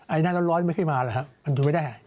ไอ้หน้าร้อนไม่เคยมาแล้วมันอยู่ไม่ได้